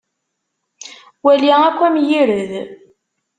Wali akk amgired.